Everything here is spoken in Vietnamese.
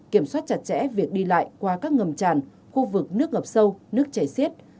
kiểm soát chặt chẽ việc đi lại qua các ngầm tràn khu vực nước ngập sâu nước chảy xiết